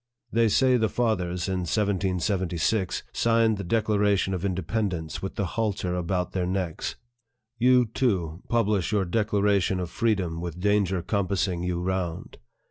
They say the fathers, in 1776, signed the Declaration of Independence with the halter about their necks. You, too, publish your declaration of freedom with danger compassing you around.